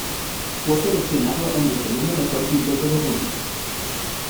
Fue seleccionado en el segundo mejor quinteto de rookies.